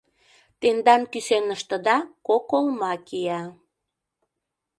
Тендан кӱсеныштыда кок олма кия...